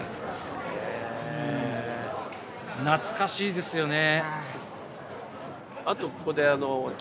懐かしいですよね。